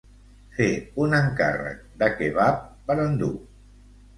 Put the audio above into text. Fer un encàrrec de kebab per endur.